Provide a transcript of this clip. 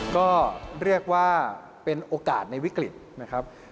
ก็เรียกว่าเป็นโอกาสในวิกฤตนะครับ